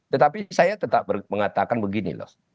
tetapi saya tetap mengatakan begini loh